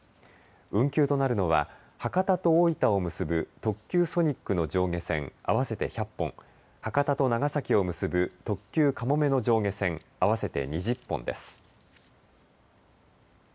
運休となるのは博多と大分を結ぶ特急ソニックの上下線合わせて１００本、博多と長崎を結ぶ特急かもめの上下線合わせて２０本です。